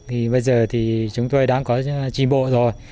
thì bây giờ thì chúng tôi đã có trì bộ rồi